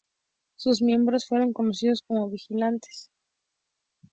Sus miembros fueron conocidos como "vigilantes".